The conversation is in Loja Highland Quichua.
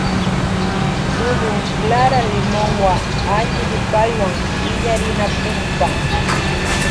Lulun clara limonwa alli rupaywan illarinakukpa.